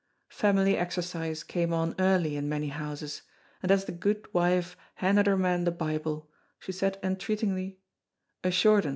Family exercise came on early in many houses, and as the gude wife handed her man the Bible she said entreatingly, "A short ane."